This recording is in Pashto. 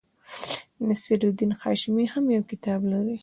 نصیر الدین هاشمي هم یو کتاب لري.